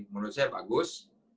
menurut saya bagus